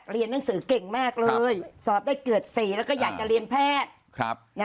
เรียนหนังสือเก่งมากเลยสอบได้เกือบ๔แล้วก็อยากจะเรียนแพทย์